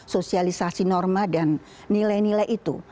sosialisasi norma dan nilai nilai itu